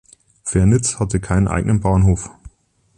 Fernitz hatte keinen eigenen Bahnhof.